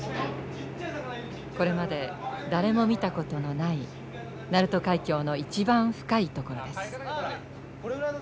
これまで誰も見たことのない鳴門海峡の一番深い所です。